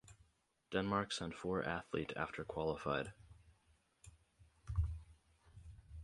Denmark sent four athlete after qualified.